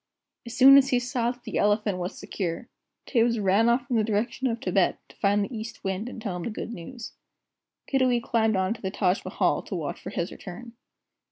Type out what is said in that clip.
As soon as he saw that the Elephant was secure, Tibbs ran off in the direction of Tibet, to find the East Wind and tell him the good news. Kiddiwee climbed on to the Taj Mahal to watch for his return.